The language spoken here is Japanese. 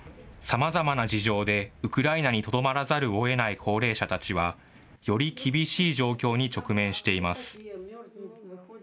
さまざまな事情でウクライナにとどまらざるをえない高齢者たちは、より厳しい状況に直面しています。